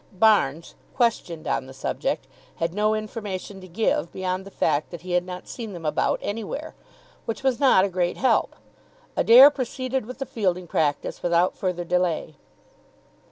Barnes, questioned on the subject, had no information to give, beyond the fact that he had not seen them about anywhere. Which was not a great help. Adair proceeded with the fielding practice without further delay.